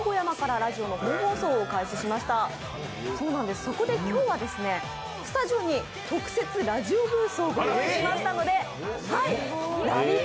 そこで今日はスタジオに特設ラジオブースをご用意しましたので「ラヴィット！」